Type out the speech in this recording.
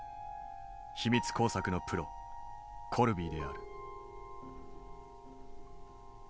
秘密工作のプロコルビーである。